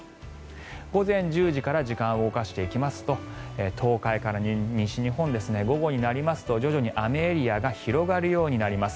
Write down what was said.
午前１０時から時間を動かしていきますと東海から西日本午後になりますと徐々に雨エリアが広がるようになります。